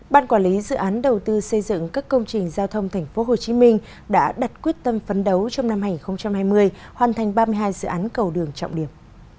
ban quản lý dự án đầu tư xây dựng các công trình giao thông tp hcm đã đặt quyết tâm phấn đấu trong năm hai nghìn hai mươi hoàn thành ba mươi hai dự án cầu đường trọng điểm